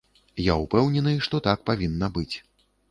Я ўпэўнены, што так павінна быць.